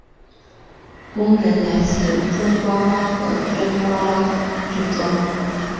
工人来自中爪哇和东爪哇的村庄。